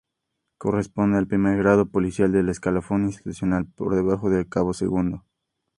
Corresponde al primer grado policial del escalafón institucional, por debajo del de cabo segundo.